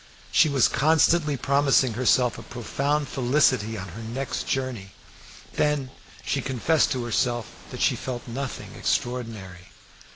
She was constantly promising herself a profound felicity on her next journey. Then she confessed to herself that she felt nothing extraordinary.